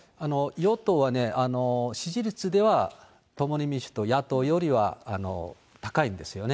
与党は支持率では、ともに民主党、野党よりは高いんですよね。